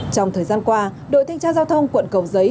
trong thời gian qua đội thanh tra giao thông quận cầu giấy